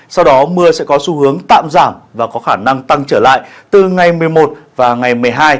sau đó mưa sẽ có xu hướng tạm giảm và có khả năng tăng trở lại từ ngày một mươi một và ngày một mươi hai